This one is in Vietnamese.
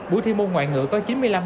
buổi thi môn ngoại ngữ có